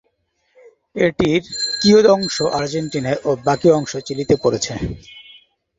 এটির কিয়দংশ আর্জেন্টিনায় ও বাকি অংশ চিলিতে পড়েছে।